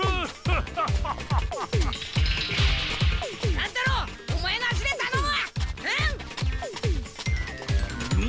乱太郎オマエの足でたのむ！